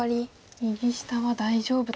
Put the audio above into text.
右下は大丈夫と。